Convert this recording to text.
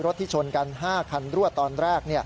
รถที่ชนกัน๕คันรั่วตอนแรก